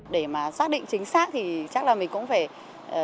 để mà xác định chính xác thì chắc là mình cũng phải